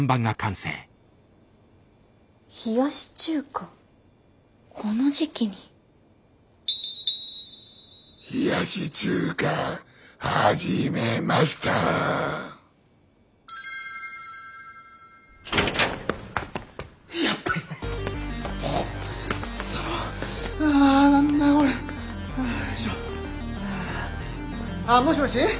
あっもしもし？